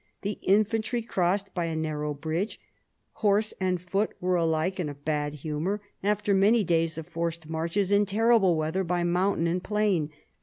The infantry crossed by a narrow bridge. Horse and foot were alike in a bad humour, after many THE CARDINAL 205 days of forced marches in terrible weather by mountain and plain.